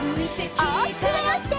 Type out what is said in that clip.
おおきくまわして。